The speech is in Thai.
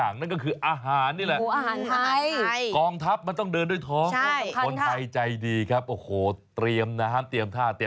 เน็ตตำรวจทะเบะแบบนี้